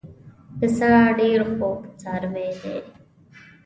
پسه ډېر خوږ څاروی دی.